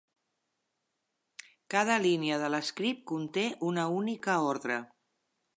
Cada línia de l'script conté una única ordre.